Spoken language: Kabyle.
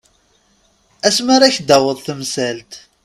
Asma ara ak-d-taweḍ temsalt.